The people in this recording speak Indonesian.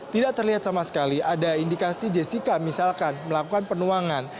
tidak terlihat sama sekali ada indikasi jessica misalkan melakukan penuangan